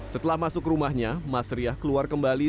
setelah masuk rumahnya mas riah keluar kembali